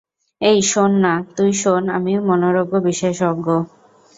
এই শোন-- -না, তুই শোন আমি মনোরোগ বিশেষজ্ঞ।